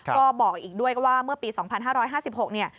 ก็บอกอีกด้วยว่าเมื่อปี๒๕๕๖เนี่ย